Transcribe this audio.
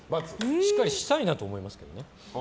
しっかりしたいなと思いますけどね。